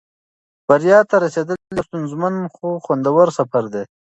بریا ته رسېدل یو ستونزمن خو خوندور سفر دی.